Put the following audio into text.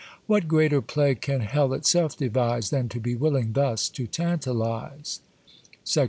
What greater plague can hell itself devise, Than to be willing thus to tantalise? III.